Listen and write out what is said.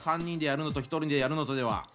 ３人でやるのと１人でやるのとでは。